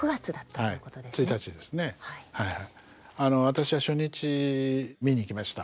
私は初日見に行きました。